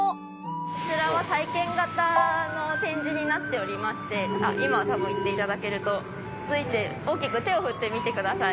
こちらは体験型の展示になっておりまして今多分行って頂けると大きく手を振ってみてください。